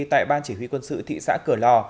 tại ban chỉ huy quân sự thị xã cửa lò